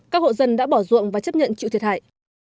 các hộ dân đã bỏ ruộng và chấp nhận chịu thiệt hại